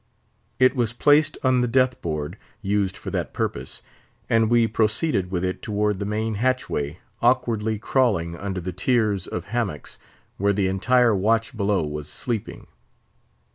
It was placed on the death board (used for that purpose), and we proceeded with it toward the main hatchway, awkwardly crawling under the tiers of hammocks, where the entire watch below was sleeping.